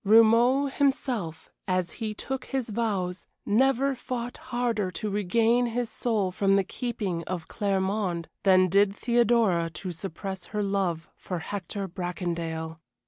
Romauld himself, as he took his vows, never fought harder to regain his soul from the keeping of Claremonde than did Theodora to suppress her love for Hector Bracondale.